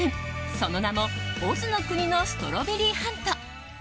その名もオズの国のストロベリーハント。